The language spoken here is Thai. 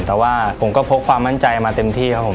แต่ว่าผมก็พกความมั่นใจมาเต็มที่ครับผม